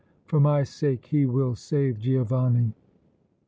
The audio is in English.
For my sake he will save Giovanni!"